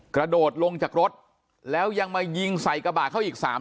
กระโดดลงจากรถแล้วยังมายิงใส่กระบะเขาอีกสาม